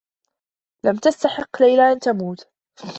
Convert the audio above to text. لم تستحق ليلى أن تموت.